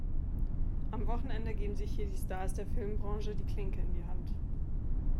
Am Wochenende geben sich hier die Stars der Filmbranche die Klinke in die Hand.